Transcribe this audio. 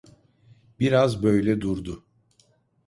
Biraz böyle durdu.